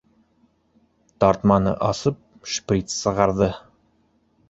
Тартманы асып, шприц сығарҙы.